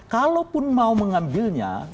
kalaupun mau mengambilnya